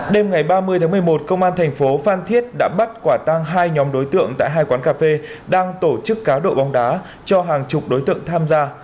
đêm ngày ba mươi tháng một mươi một công an thành phố phan thiết đã bắt quả tang hai nhóm đối tượng tại hai quán cà phê đang tổ chức cá độ bóng đá cho hàng chục đối tượng tham gia